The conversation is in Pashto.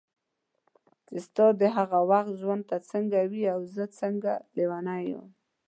چې ستا د هغه وخت ژوند ته څنګه وې او زه څنګه لیونی وم.